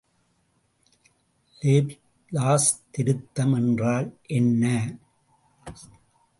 Laplace திருத்தம் என்றால் என்ன?